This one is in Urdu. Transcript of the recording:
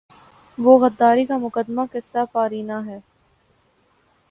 وہ غداری کا مقدمہ قصۂ پارینہ ہے۔